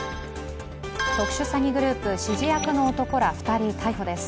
特殊詐欺グループ指示役の男ら２人逮捕です。